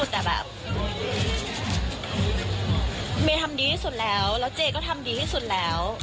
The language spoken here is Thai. แต่แบบเมย์ทำดีที่สุดแล้วแล้วเจก็ทำดีที่สุดแล้ว